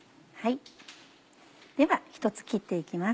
では１つ切って行きます。